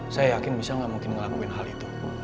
saya yakin michelle gak mungkin ngelakuin hal itu